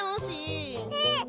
えっ！？